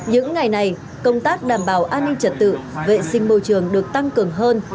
những ngày này công tác đảm bảo an ninh trật tự vệ sinh môi trường được tăng cường hơn